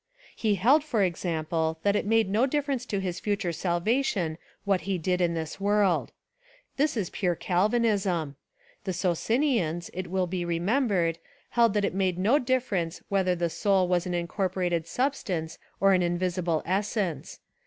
He held for example that it made no difference to his future salvation what he did in this world. This was pure Calvinism. The Socinians, it will be remembered, held that it made no difference whether the soul was an incorporated substance or an invisible essence.